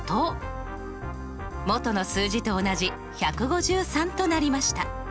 元の数字と同じ１５３となりました。